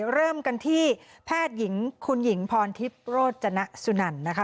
เริ่มกันที่แพทย์หญิงคุณหญิงพรทิพย์โรจนสุนันนะคะ